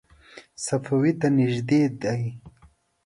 صفوي ته نږدې دی.